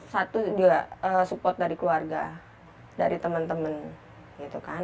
satu juga support dari keluarga dari teman teman gitu kan